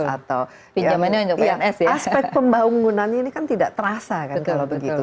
atau aspek pembangunannya ini kan tidak terasa kan kalau begitu